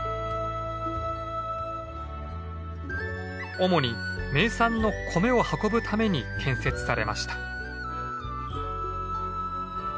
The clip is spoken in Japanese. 主に名産の米を運ぶために建設されました。